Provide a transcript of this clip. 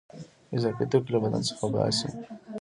اضافي توکي له بدن څخه باسي.